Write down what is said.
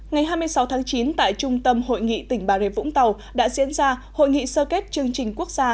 ngày hai mươi sáu tháng chín tại trung tâm hội nghị tỉnh bà rệ vũng tàu đã diễn ra hội nghị sơ kết chương trình quốc gia